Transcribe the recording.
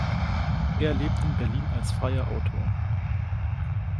Er lebt in Berlin als freier Autor.